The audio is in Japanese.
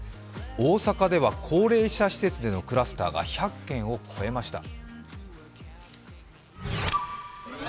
大阪では高齢者施設でのクラスターが１００件を超えました。